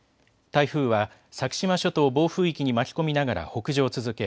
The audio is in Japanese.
台風は先島諸島を暴風域に巻き込みながら北上を続け